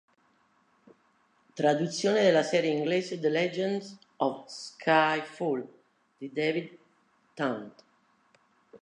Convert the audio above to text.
Traduzione della serie inglese "The Legends of Skyfall" di David Tant.